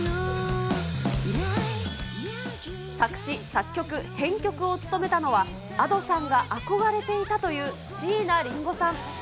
作詞、作曲、編曲を務めたのは、Ａｄｏさんが憧れていたという椎名林檎さん。